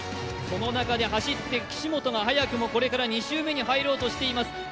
その中で走っている岸本が早くもこれから２周目に入ろうとしています。